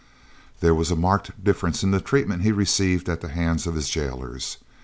There was a marked difference in the treatment he received at the hands of his jailers.